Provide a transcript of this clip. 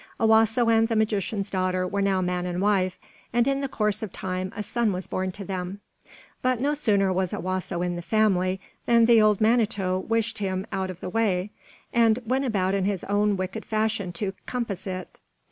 Owasso and the magician's daughter were now man and wife, and in the course of time a son was born to them. But no sooner was Owasso in the family than the old Manito wished him out of the way, and went about in his own wicked fashion to compass it.